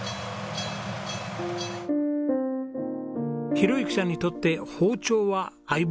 宏幸さんにとって包丁は相棒です。